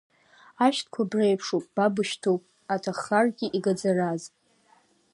Ашәҭқәа бреиԥшуп, ба бышәҭуп, аҭаххаргьы игаӡараз.